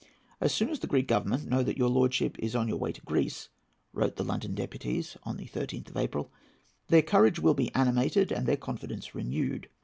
"As soon as the Greek Government know that your lordship is on your way to Greece," wrote the London deputies on the 13th of April, "their courage will be animated, and their confidence renewed.